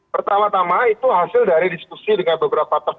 pertama tama itu hasil dari diskusi dengan beberapa tokoh